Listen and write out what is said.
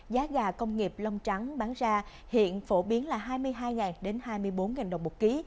giá gà công nghiệp long trắng bán ra hiện phổ biến là hai mươi hai đến hai mươi bốn đồng một ký